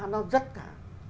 nó rất cả